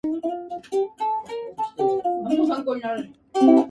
北海道西興部村